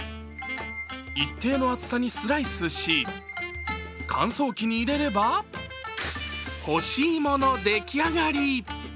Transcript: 一定の厚さにスライスし乾燥機に入れれば、干しいもの出来上がり。